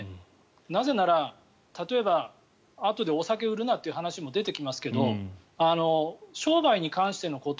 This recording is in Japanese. なぜなら例えばあとでお酒を売るなという話も出てきますけど商売に関してのこと